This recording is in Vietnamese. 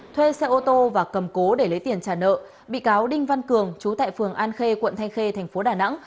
thuê xe ô tô và cầm cố để lấy tiền trả nợ bị cáo đinh văn cường chú tại phường an khê quận thanh khê thành phố đà nẵng